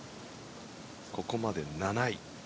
ここまで７位。